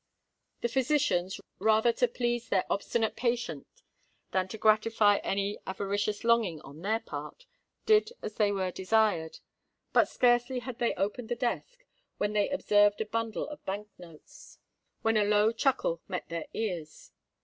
The physicians, rather to please their obstinate patient than to gratify any avaricious longing on their part, did as they were desired: but, scarcely had they opened the desk, where they observed a bundle of Bank notes, when a low chuckle met their ears.